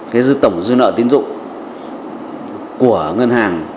cái tổng dư nợ tiến dụng của ngân hàng